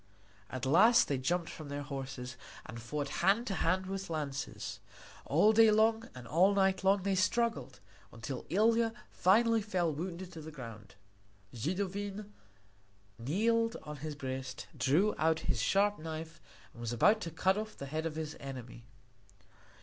At last they jumped from their horses and fought hand to hand with lances. All day long and all night long they struggled, until Ilia finally fell wounded to the ground. Zidovin kneeled on his breast, drew out his sharp knife, and was about to cut off the head of his enemy.